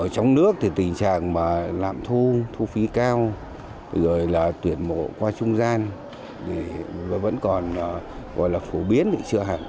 trong nước tình trạng lạm thu thu phí cao tuyển mộ qua trung gian vẫn còn phổ biến chưa hẳn